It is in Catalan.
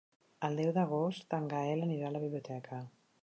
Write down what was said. El deu d'agost en Gaël anirà a la biblioteca.